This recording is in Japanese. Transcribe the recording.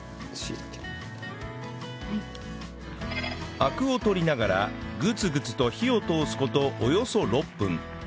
アクを取りながらグツグツと火を通すことおよそ６分